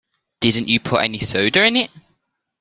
Didn't you put any soda in it?